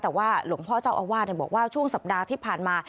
แต่ว่าหลวงพ่อเจ้าอาวาสบอกว่าช่วงสัปดาห์ที่ผ่านมา